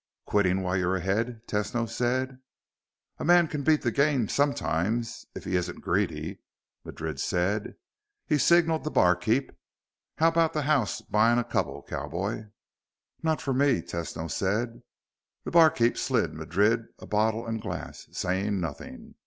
"Quitting while you're ahead?" Tesno said. "A man can beat the game sometimes if he isn't greedy," Madrid said. He signaled the barkeep. "How about the house buying a couple, cowboy?" "Not for me," Tesno said. The barkeep slid Madrid a bottle and glass, saying nothing.